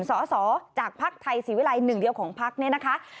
สอสอจากภักดิ์ไทยศิวิลัย๑เดียวของภักดิ์นี่นะคะ